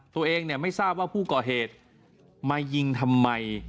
ตัวเองไม่ทราบว่าผู้ก่อเหตุมายิงทำไม